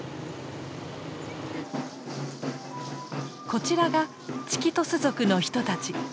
こちらがチキトス族の人たち。